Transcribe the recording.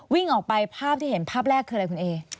วิ่งออกไปภาพที่เห็นภาพแรกคืออะไรคุณเอ